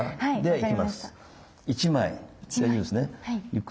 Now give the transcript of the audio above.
はい。